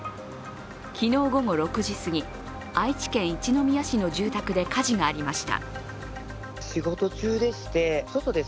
昨日午後６時すぎ、愛知県一宮市の住宅で火事がありました。